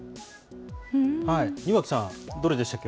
庭木さん、どれでしたっけ？